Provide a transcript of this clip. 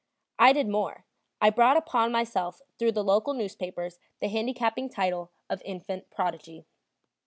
I did more, I brought upon myself through the local newspapers the handicapping title of "infant prodigy."